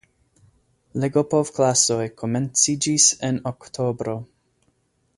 Legopovklasoj komenciĝis en oktobro.